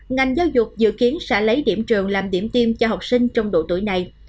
ngành giáo dục dự kiến sẽ lấy điểm trường làm điểm tiêm cho học sinh trong độ tuổi này